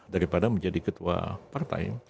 daripada menjadi ketua partai